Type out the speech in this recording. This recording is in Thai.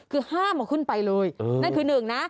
คือห้ามเอาขึ้นไปเลยนั่นคือหนึ่งนะ